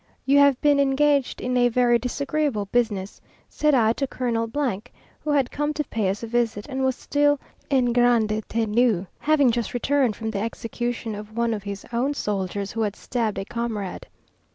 "You have been engaged in a disagreeable business," said I to Colonel , who had come to pay us a visit, and was still en grande tenue, having just returned from the execution of one of his own soldiers, who had stabbed a comrade.